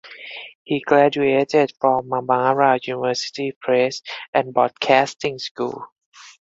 He graduated from Marmara University Press and Broadcasting School.